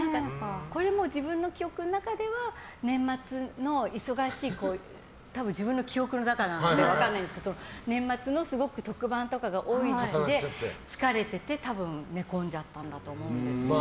これも自分の記憶の中では年末の忙しい多分自分の記憶の中なので分からないんですけど、年末のすごく特番とかが多い時期で疲れてて多分寝込んじゃったんだと思うんですけど。